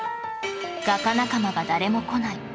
画家仲間が誰も来ない